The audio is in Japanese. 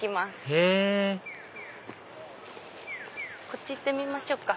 へぇこっち行ってみましょうか。